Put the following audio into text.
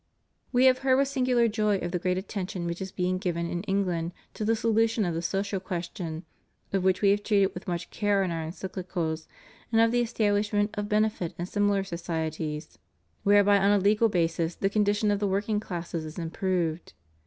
We have heard with singular joy of the great attention which is being given in England to the solution of the social question, of which We have treated with much care in Our encyclicals, and of the estabhshment of bene fit and similar societies, whereby on a legal basis the con dition of the working classes is improved.